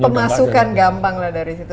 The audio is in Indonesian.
pemasukan gampang dari situ